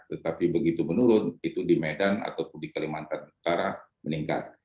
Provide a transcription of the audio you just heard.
tetapi begitu menurun itu di medan ataupun di kalimantan utara meningkat